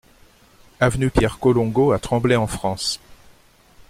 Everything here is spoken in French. Avenue Pierre Colongo à Tremblay-en-France